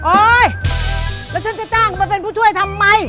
แล้วฉันจะจ้างคุณมาเป็นผู้ช่วยทำไม